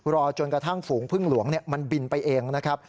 รอจนกระทั่งฝูงพึ่งหลวงมันบินไปเองนะครับ